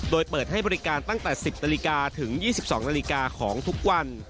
โดยเปิดให้บริการตั้งแต่๑๐นาฬิกาถึง๒๒นาฬิกาของทุกวัน